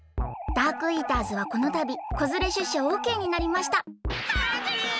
ダークイーターズはこのたびこづれしゅっしゃオッケーになりましたハングリー！